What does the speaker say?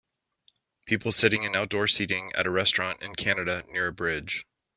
People sitting in outdoor seating at a restaurant in Canada near a bridge.